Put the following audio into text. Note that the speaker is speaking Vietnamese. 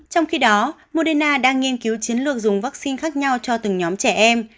trong khi đó moderna đang nghiên cứu chiến lược dùng vắc xin khác nhau cho từng nhóm trẻ em